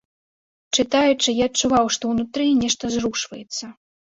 Чытаючы, я адчуваў, што ўнутры нешта зрушваецца.